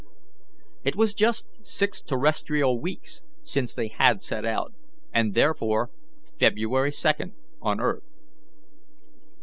It was just six terrestrial weeks since they had set out, and therefore February 2d on earth.